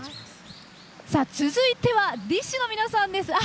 続いてはＤＩＳＨ／／の皆さんです。